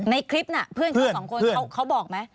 ในคลิปน่ะเพื่อนเขาสองคนเขาบอกไหม